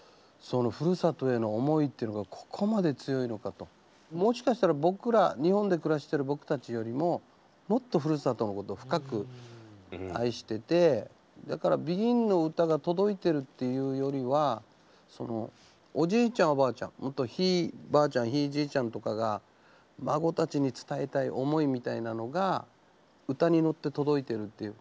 やっぱりもしかしたら僕ら日本で暮らしてる僕たちよりももっとふるさとのことを深く愛しててだからＢＥＧＩＮの歌が届いてるっていうよりはそのおじいちゃんおばあちゃんとひいばあちゃんひいじいちゃんとかが孫たちに伝えたい思いみたいなのが歌に乗って届いてるっていう。